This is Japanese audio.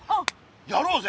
やろうぜ！